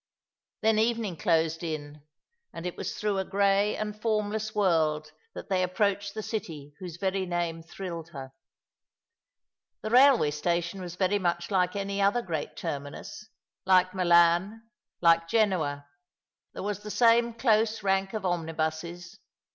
Then evening closed in, and it was through a grey and formless world Ecco Roma. 249 that they approached the city whoso 7017 nam© thrilled her. The railway station was very much like any other great terminus ; like Milan, like Genoa. There was the same close rank of omnibuses.